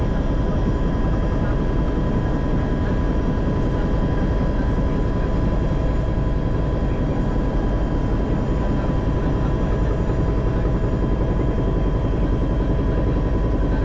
kalau kita mau mengejarkannya sampai mana